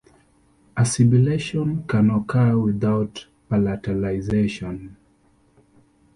Assibilation can occur without palatalization.